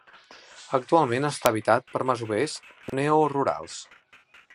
Actualment està habitat per masovers neorurals.